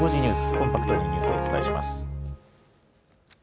コンパクトにニュースをお伝えします。